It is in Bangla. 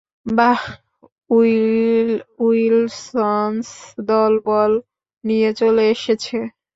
বাহ, উইলসন্স দলবল নিয়ে চলে এসেছে!